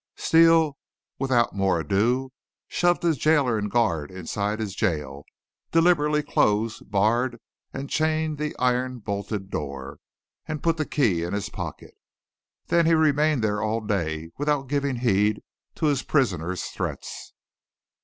Steele, without more ado, shoved his jailer and guard inside his jail, deliberately closed, barred and chained the iron bolted door, and put the key in his pocket. Then he remained there all day without giving heed to his prisoners' threats.